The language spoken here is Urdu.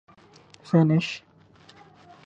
فینیش